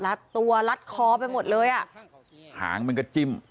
ตัวลัดคอไปหมดเลยอ่ะหางมันก็จิ้ม